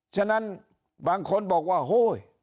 ฉะนั้นบางคนบอกว่าโฮย